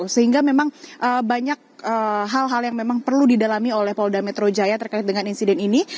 sehingga memang banyak hal hal yang memang perlu didalami oleh polda metro jaya terkait dengan insiden ini